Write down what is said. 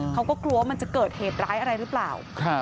เขาก็กลัวว่ามันจะเกิดเหตุร้ายอะไรหรือเปล่า